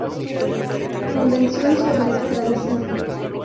Convención sobre extradición.